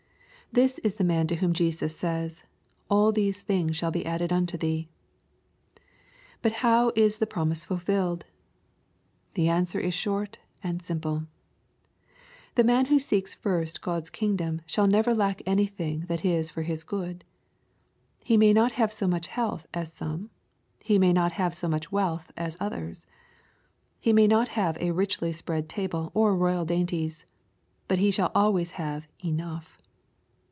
This is the man to whom Jesus says, " All these things shall be added unto thee.'' But how is the promise fulfilled ? The answer is short aud simple. The man who seeks first God's kingdom shall never lack anything that is for his good. He may not have so much health as some. He may not have so much wealth as others. He may not have a richly spread table, or royal dainties. But he shall always have enough.